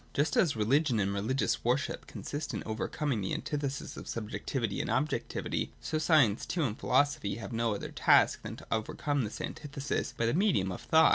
Just as religion and religious worship consist in overcom ing the antithesis of subjectivity and objectivity, so science too and philosophy have no other task than to overcome this antithesis by the medium of thought.